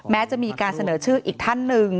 แม้จะมีการเสนอชื่ออีกท่านหนึ่ง